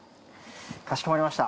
かしこまりました。